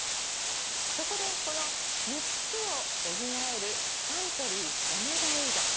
そこでこの３つを補えるサントリー「オメガエイド」！